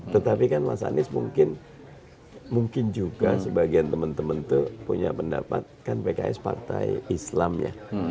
tetapi kan mas anies mungkin mungkin juga sebagian temen temen tuh punya pendapat kan pks partai islamnya